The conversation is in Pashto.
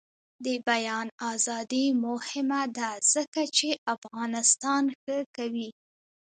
د بیان ازادي مهمه ده ځکه چې افغانستان ښه کوي.